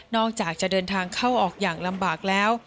อกจากจะเดินทางเข้าออกอย่างลำบากแล้ว